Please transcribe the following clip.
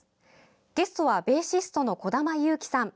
ゲストはベーシストの小玉勇気さん。